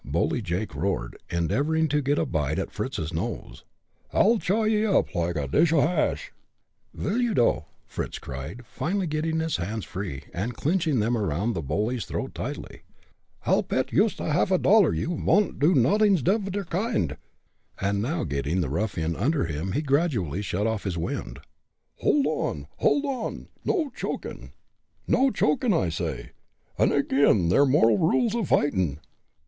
Bully Jake roared, endeavoring to get a bite at Fritz's nose. "I'll chaw ye all up like a dish o' hash!" "Vil, you, dough!" Fritz cried, finally getting his hands free, and clinching them around the bully's throat tightly. "I'll pet yoost a half dollar you von't do noddings off der kind," and now getting the ruffian under him he gradually shut off his wind. "Hold on! hold on! no chokin'! no chokin', I say; it's ag'in' ther moral rules o' fightin'!"